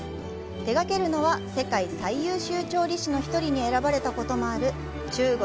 手掛けるのは、世界最優秀調理士の１人に選ばれたこともある中国